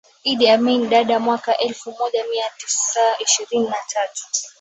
Idi Amin Dada mwaka lfu elfu moja mia tisa ishirini na tatu